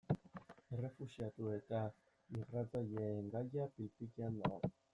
Errefuxiatu eta migratzaileen gaia pil-pilean dago.